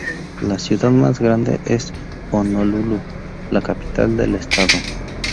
La ciudad más grande es Honolulu, la capital del estado.